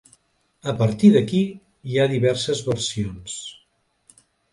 A partir d'aquí hi ha diverses versions.